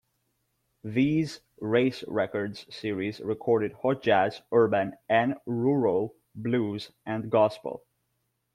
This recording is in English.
These race records series recorded hot jazz, urban and rural blues, and gospel.